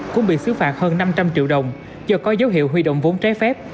cũng bị xứ phạt hơn năm trăm linh triệu đồng do có dấu hiệu huy động vốn trái phép